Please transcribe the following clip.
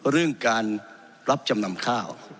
เรื่องการรับจำนำข้าว